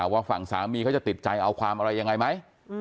ว่าฝั่งสามีเขาจะติดใจเอาความอะไรยังไงไหม